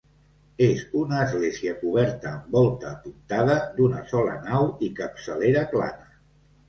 És una església coberta amb volta apuntada, d'una sola nau i capçalera plana.